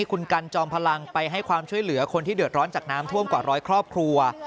คุณกันจอมพลังไปให้ความช่วยเหลือคนที่เดือดร้อนจากน้ำท่วมกว่าร้อยครอบครัว